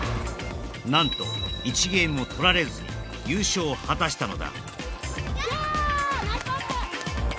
何と１ゲームも取られずに優勝を果たしたのだヤー！